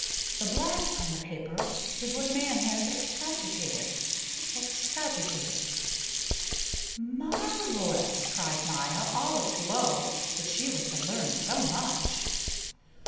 The black on the paper is what man has excogitated excogitated." "Marvelous!" cried Maya, all a glow that she was to learn so much.